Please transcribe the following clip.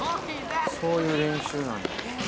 そういう練習なんや。